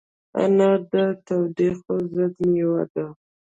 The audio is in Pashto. انار د تودوخې ضد مېوه ده.